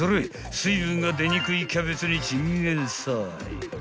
［水分が出にくいキャベツにチンゲン菜］